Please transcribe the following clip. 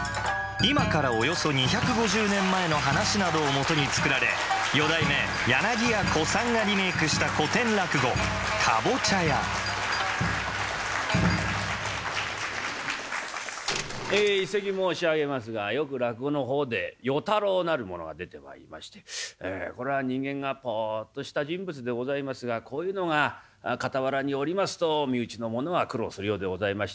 今からおよそ２５０年前の噺などを基に作られ四代目柳家小さんがリメークした古典落語「かぼちゃ屋」え一席申し上げますがよく落語の方で与太郎なる者が出てまいりましてこれは人間がぽっとした人物でございますがこういうのが傍らにおりますと身内の者は苦労するようでございまして。